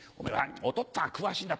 おとっつぁんは詳しいんだ